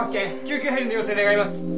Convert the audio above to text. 救急ヘリの要請願います。